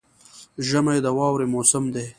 ژمی د واورې موسم دی